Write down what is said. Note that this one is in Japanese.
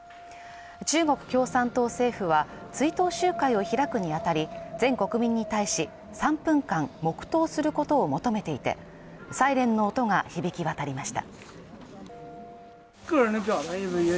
中国共産党政府は追悼集会を開くにあたり全国民に対し３分間黙とうすることを求めていてサイレンの音が響き渡りました